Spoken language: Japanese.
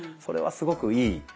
それはすごくいい。